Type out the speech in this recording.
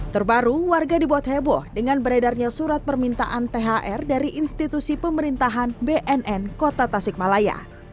terbaru warga dibuat heboh dengan beredarnya surat permintaan thr dari institusi pemerintahan bnn kota tasikmalaya